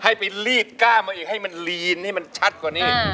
ให้ไปลีดก้ามาอีกให้มันลีนให้มันชัดกว่านี้